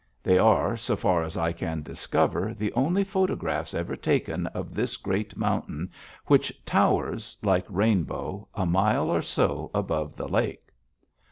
They are, so far as I can discover, the only photographs ever taken of this great mountain which towers, like Rainbow, a mile or so above the lake.